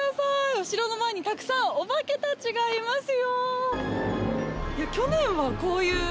お城の前にたくさんお化けたちがいますよ。